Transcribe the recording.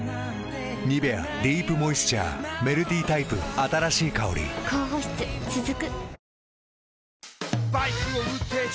「ニベアディープモイスチャー」メルティタイプ新しい香り高保湿続く。